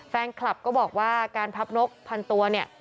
แฟนคลับก็บอกว่าการพับนกพันตัวเนี่ย